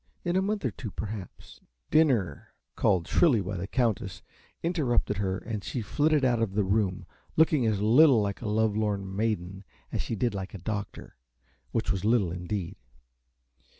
In a month or two, perhaps " Dinner, called shrilly by the Countess, interrupted her, and she flitted out of the room looking as little like a lovelorn maiden as she did like a doctor which was little indeed.